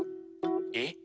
えっ？